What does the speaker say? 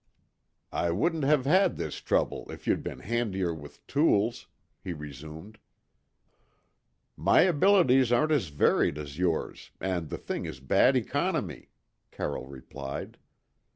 "I wouldn't have had this trouble if you'd been handier with tools," he resumed. "My abilities aren't as varied as yours, and the thing is bad economy," Carroll replied.